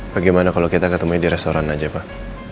bagaimana kalau kita ketemunya di restoran aja pak